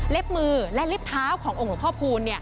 มือและเล็บเท้าขององค์หลวงพ่อคูณ